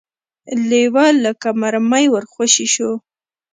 لېوه لکه مرمۍ ور خوشې شو.